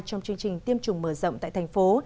trong chương trình tiêm chủng mở rộng tại thành phố